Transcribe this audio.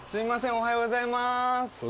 おはようございます。